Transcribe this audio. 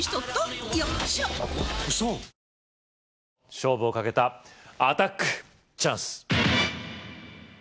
勝負をかけたアタックチャンス‼